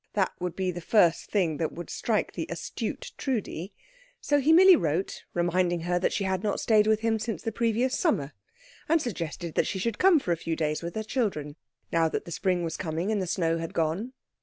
That would be the first thing that would strike the astute Trudi. So he merely wrote reminding her that she had not stayed with him since the previous summer, and suggested that she should come for a few days with her children, now that the spring was coming and the snow had gone.